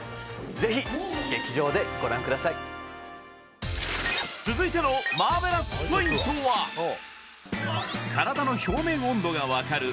ぜひ劇場でご覧ください続いてのマーベラスポイントは体の表面温度が分かる